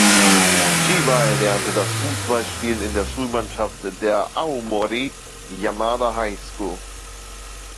Chiba erlernte das Fußballspielen in der Schulmannschaft der "Aomori Yamada High School".